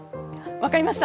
分かりました！